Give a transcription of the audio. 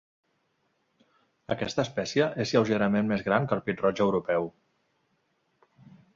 Aquesta espècie és lleugerament més gran que el pit-roig europeu.